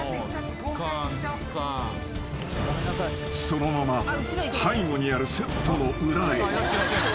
［そのまま背後にあるセットの裏へ］